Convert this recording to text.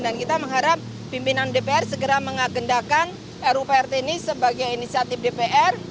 dan kita mengharap pimpinan dpr segera mengagendakan ruu prt ini sebagai inisiatif dpr